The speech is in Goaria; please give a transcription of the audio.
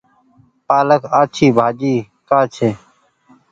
پآلڪ آڇي ڀآڃي ڪآ ڇي۔